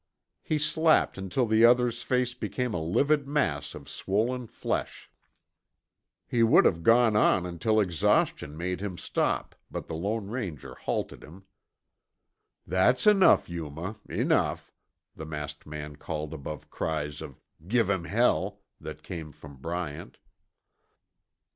He slapped until the other's face became a livid mass of swollen flesh. He would have gone on until exhaustion made him stop, but the Lone Ranger halted him. "That's enough, Yuma enough," the masked man called above cries of "give 'im hell!" that came from Bryant.